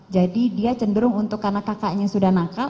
jadi dia cenderung untuk karena kakaknya sudah nakal